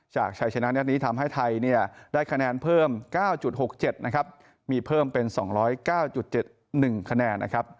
ชัยชนะนัดนี้ทำให้ไทยได้คะแนนเพิ่ม๙๖๗นะครับมีเพิ่มเป็น๒๐๙๗๑คะแนนนะครับ